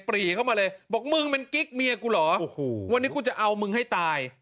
ปรีเข้ามาเลยบอกมึงเป็นกิ๊กเมียกูเหรอโอ้โหวันนี้กูจะเอามึงให้ตาย